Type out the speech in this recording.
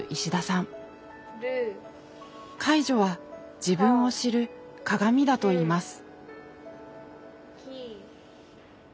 介助は自分を知る「鏡」だといいます。